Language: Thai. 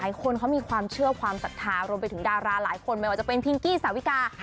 คนเขามีความเชื่อความศรัทธารวมไปถึงดาราหลายคนไม่ว่าจะเป็นพิงกี้สาวิกา